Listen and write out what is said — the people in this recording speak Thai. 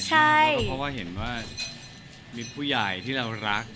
เพราะว่าเห็นว่ามีผู้ใหญ่ที่เรารัก